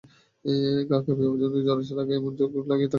গা কাঁপিয়ে প্রচণ্ড জ্বর আসার আগে যেমন ঘোর লেগে থাকে, ঠিক সে-রকম।